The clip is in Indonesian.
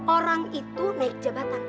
orang itu naik jabatan